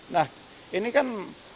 nah ini kan